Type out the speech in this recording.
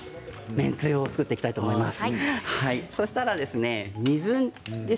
麺つゆを作っていきたいと思います。